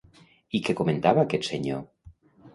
I què comentava aquest senyor?